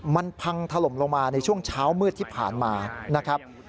มันพังถล่มลงมาในช่วงเช้ามืดที่ผ่านมานะครับ